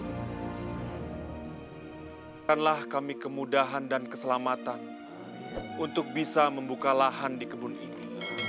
bukanlah kami kemudahan dan keselamatan untuk bisa membuka lahan di kebun ini